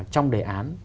trong đề án